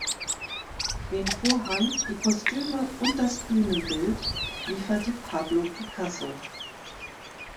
Den Vorhang, die Kostüme und das Bühnenbild lieferte Pablo Picasso.